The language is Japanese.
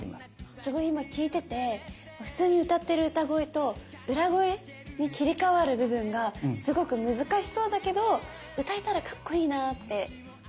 すごい今聞いてて普通に歌ってる歌声と裏声に切り替わる部分がすごく難しそうだけど歌えたらかっこいいなって思いました。